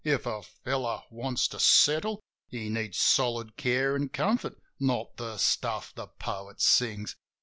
If a fellow wants to settle He needs solid care an' comfort, not the stuff the poet sings.